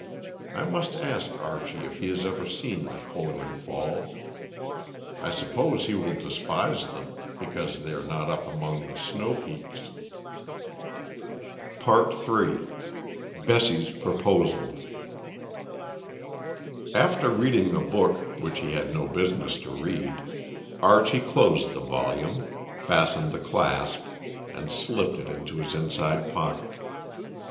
I must ask Archie if he has ever seen the Kohleren Falls. I suppose he will despise them because they are not up among the snow peaks." III. BESSIE'S PROPOSAL. After reading the book which he had no business to read, Archie closed the volume, fastened the clasp, and slipped it into his inside pocket.